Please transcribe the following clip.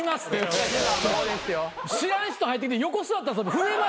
知らん人入ってきて横座ったら触れましたよ。